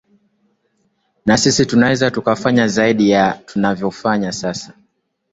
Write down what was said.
na sisi tunaweza tukafanya zaidi ya tunavyofanya sasa